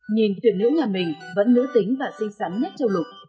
nhìn tuyển nữ nhà mình vẫn nữ tính và xinh xắn nhất châu lục